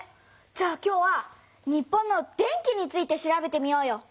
じゃあ今日は日本の電気について調べてみようよ！